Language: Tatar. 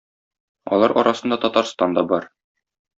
Алар арасында Татарстан да бар.